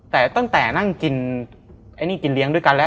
แต่ตั้งแต่นั่งกินไอ้นี่กินเลี้ยงด้วยกันแล้ว